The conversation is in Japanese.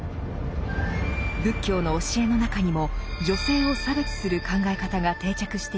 仏教の教えの中にも女性を差別する考え方が定着していきました。